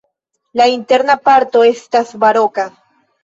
La interna parto estas baroka.